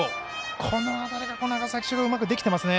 この辺りが長崎商業はうまくできていますね。